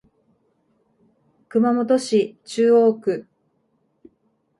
熊本市中央区